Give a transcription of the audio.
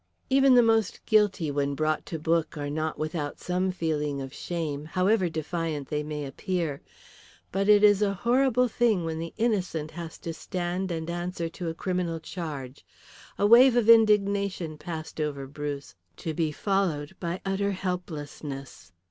Even the most guilty when brought to book are not without some feeling of shame, however defiant they may appear, but it is a horrible thing when the innocent has to stand and answer to a criminal charge. A wave of indignation passed over Bruce, to be followed by utter helplessness.